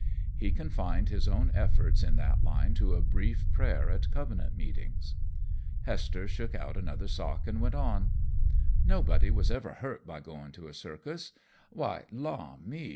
He confined his own efforts in that line to a brief prayer at Covenant meetings. Hester shook out another sock and went on. "Nobody was ever hurt by goin' to a circus. Why, law me!